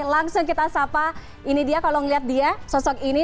langsung kita sapa ini dia kalau melihat dia sosok ini